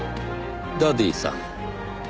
ダディさん。